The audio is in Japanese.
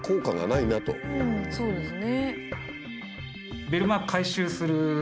そうですね。